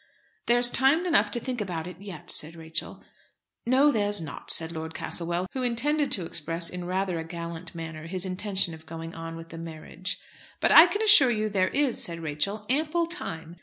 "There's time enough to think about it yet," said Rachel. "No, there's not," said Lord Castlewell, who intended to express in rather a gallant manner his intention of going on with the marriage. "But I can assure you there is," said Rachel, "ample time.